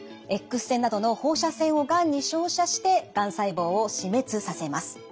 Ｘ線などの放射線をがんに照射してがん細胞を死滅させます。